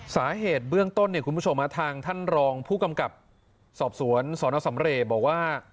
สาเหตุเบื้องต้นเนี่ยคุณผู้ชมทางท่านรองผู้กำกับสอบสวนสนสำเรย์บอกว่า